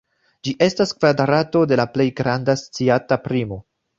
Ĝi estas kvadrato de la plej granda sciata primo.